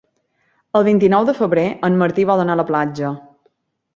El vint-i-nou de febrer en Martí vol anar a la platja.